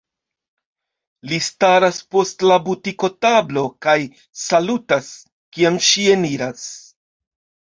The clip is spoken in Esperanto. Li staras post la butikotablo kaj salutas, kiam ŝi eniras.